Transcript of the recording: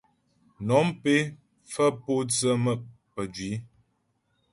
Nɔ̀m pé pfə́ pǒtsə pə́jwǐ.